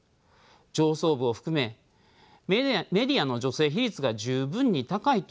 上層部を含めメディアの女性比率が十分に高いとは思えません。